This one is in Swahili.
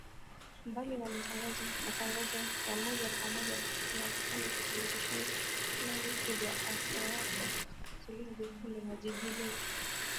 Mbali na matangazo ya moja kwa moja tuna vipindi vya televisheni vya kila wiki vya Afya Yako, Zulia Jekundu na jiji letu.